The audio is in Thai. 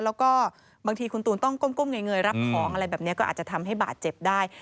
แล้วก็บางทีคุณตูนต้องก้มเงยรับของอะไรแบบนี้ก็อาจจะทำให้บาดเจ็บได้